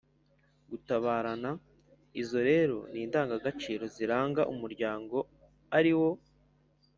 gutabarana. izo rero ni indangagaciro ziranga umuryango ari wo